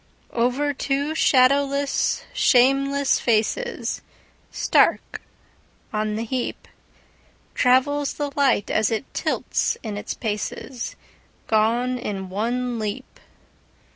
Over two shadowless, shameless facesStark on the heapTravels the light as it tilts in its pacesGone in one leap.